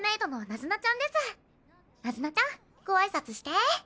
ナズナちゃんご挨拶して。